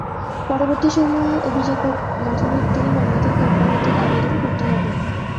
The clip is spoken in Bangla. পরবর্তী সময়ে অভিযোগ গঠনের দিন মামলা থেকে অব্যাহতির আবেদন করতে হবে।